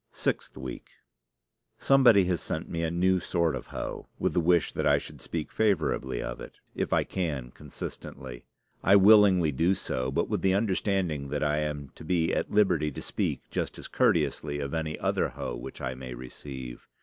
SIXTH WEEK Somebody has sent me a new sort of hoe, with the wish that I should speak favorably of it, if I can consistently. I willingly do so, but with the understanding that I am to be at liberty to speak just as courteously of any other hoe which I may receive.